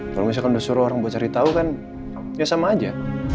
kalau misalkan udah suruh orang buat cari tahu kan ya sama aja